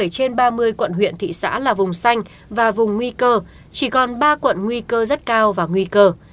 bảy trên ba mươi quận huyện thị xã là vùng xanh và vùng nguy cơ chỉ còn ba quận nguy cơ rất cao và nguy cơ